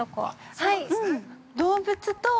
◆はい！